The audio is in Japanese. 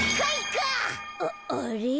ああれ？